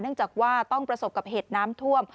จากว่าต้องประสบกับเหตุน้ำท่วม